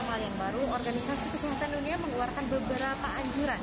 untuk menyangkut normal yang baru organisasi kesehatan dunia mengeluarkan beberapa anjuran